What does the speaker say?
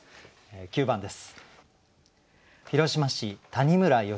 ９番です。